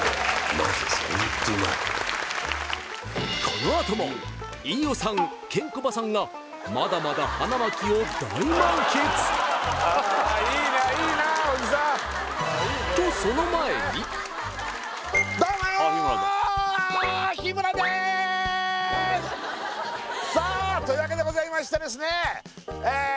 このあとも飯尾さんケンコバさんがあっいいねいいなあおじさんとさあというわけでございましてですねえっ